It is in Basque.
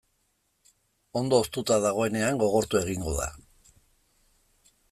Ondo hoztuta dagoenean gogortu egingo da.